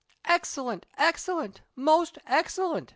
" Excellent ! excellent ! most excellent